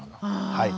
はい。